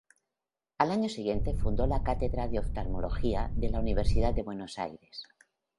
Al año siguiente fundó la cátedra de oftalmología de la Universidad de Buenos Aires.